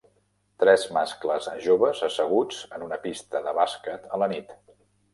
tres mascles joves asseguts en una pista de bàsquet a la nit